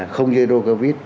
không zero covid